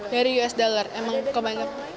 dari usd emang kebanyakan